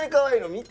見て！